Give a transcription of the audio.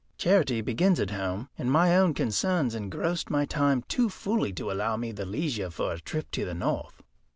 Charity begins at home, and my own concerns engrossed my time too fully to allow me the leisure for a trip to the North.